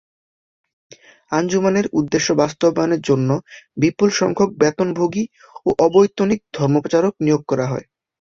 আঞ্জুমানের উদ্দেশ্য বাস্তবায়নের জন্য বিপুল সংখ্যক বেতনভোগী ও অবৈতনিক ধর্মপ্রচারক নিয়োগ করা হয়।